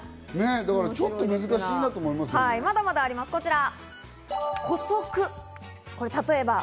まだまだあります、こちら。